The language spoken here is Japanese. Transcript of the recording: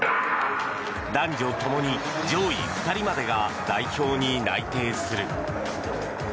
男女ともに上位２人までが代表に内定する。